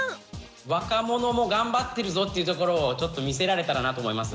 若者も頑張ってるぞっていうところをちょっと見せられたらなと思います。